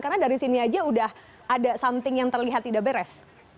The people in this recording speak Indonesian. karena dari sini aja udah ada something yang terlihat tidak beres